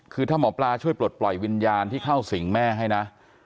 คือถ้าหมอปลาช่วยปลดปล่อยวิญญาณที่เข้าสิงแม่ให้นะ